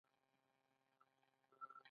د بندونو نه جوړول غفلت دی.